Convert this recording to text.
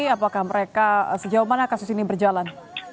apakah mereka sejauh mana kasus ini berjalan